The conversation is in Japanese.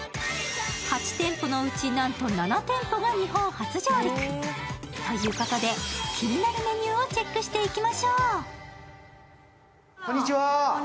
８店舗のうち、なんと７店舗が日本初上陸。ということで、気になるメニューをチェックしていきましょう。